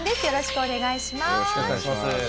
よろしくお願いします。